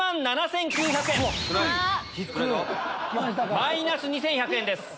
マイナス２１００円です。